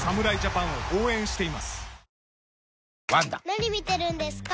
・何見てるんですか？